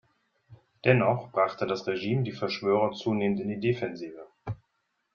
Dennoch brachte das Regime die Verschwörer zunehmend in die Defensive.